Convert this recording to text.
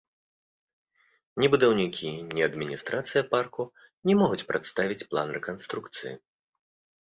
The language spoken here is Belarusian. Ні будаўнікі, ні адміністрацыя парку не могуць прадставіць план рэканструкцыі.